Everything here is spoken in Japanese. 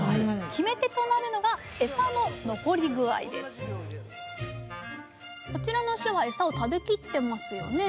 決め手となるのがこちらの牛はエサを食べ切ってますよね。